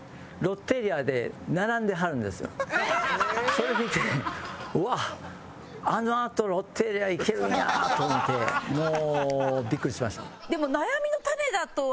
それ見て「うわっ！あのあとロッテリア行けるんや」と思ってもうビックリしました。